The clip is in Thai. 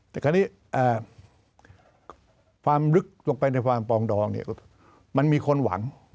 แต่คราวนี้ความลึกลงไปในความปองดองเนี่ยมันมีคนหวัง